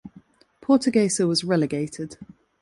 Portuguesa was relegated.